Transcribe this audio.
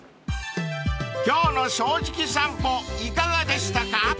［今日の『正直さんぽ』いかがでしたか？］